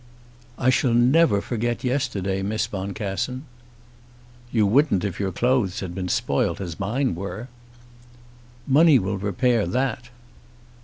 "I shall never forget yesterday, Miss Boncassen." "You wouldn't if your clothes had been spoilt as mine were." "Money will repair that."